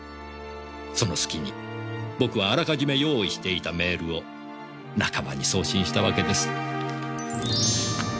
そのすきに僕はあらかじめ用意していたメールを仲間に送信したわけです。